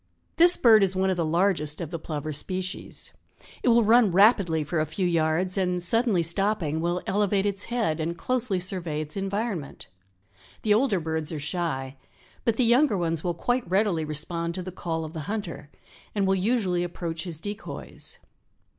This bird is one of the largest of the plover species. It will run rapidly for a few yards and suddenly stopping will elevate its head and closely survey its environment. The older birds are shy, but the younger ones will quite readily respond to the call of the hunter and will usually approach his decoys.